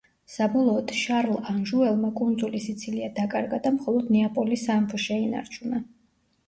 საბოლოოდ შარლ ანჟუელმა კუნძული სიცილია დაკარგა და მხოლოდ ნეაპოლის სამეფო შეინარჩუნა.